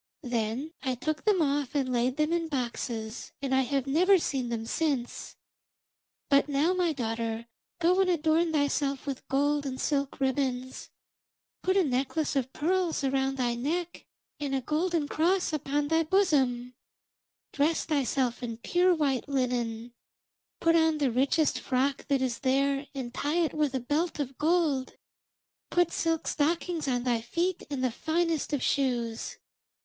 Then I took them off and laid them in boxes, and I have never seen them since. But now, my daughter, go and adorn thyself with gold and silk ribbons; put a necklace of pearls around thy neck, and a golden cross upon thy bosom; dress thyself in pure white linen; put on the richest frock that is there and tie it with a belt of gold; put silk stockings on thy feet and the finest of shoes.